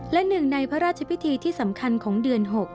และหนึ่งในพระราชพิธีที่สำคัญของเดือน๖